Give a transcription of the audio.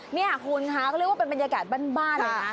เนี่ยคุณคะก็เรียกว่าเป็นบรรยากาศบ้านบ้านเลยนะ